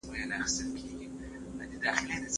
زموږ مشران تل موږ ته نصیحت کوي.